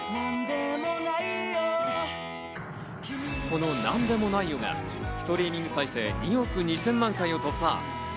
この『なんでもないよ、』がストリーミング再生２億２０００万回を突破。